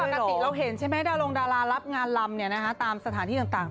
ปกติเราเห็นใช่ไหมดารงดารารับงานลำตามสถานที่ต่าง